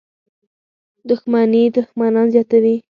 • دښمني دښمنان زیاتوي.